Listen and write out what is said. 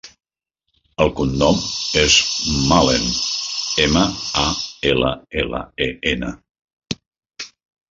El cognom és Mallen: ema, a, ela, ela, e, ena.